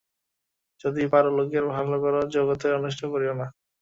যদি পার লোকের ভাল কর, জগতের অনিষ্ট করিও না।